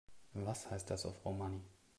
Was heißt das auf Romani?